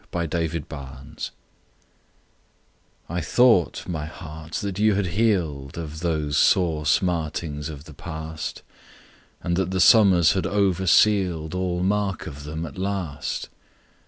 "I THOUGHT, MY HEART" I THOUGHT, my Heart, that you had healed Of those sore smartings of the past, And that the summers had oversealed All mark of them at last.